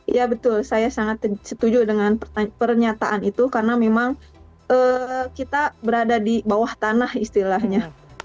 ya betul saya sangat setuju dengan pernyataan itu karena memang kita berada di bawah tanah istilahnya